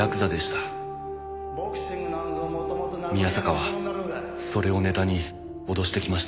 「宮坂はそれをネタに脅してきました」